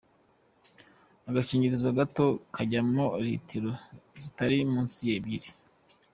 Agakingirizo gato kajyamo litiro zitari munsi y’ ebyiri.